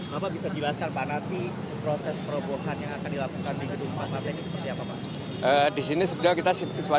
bapak bisa jelaskan pak nanti proses perobohan yang akan dilakukan di gedung partai ini seperti apa pak